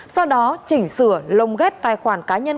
sau đó chỉnh sửa lồng ghép tài khoản cá nhân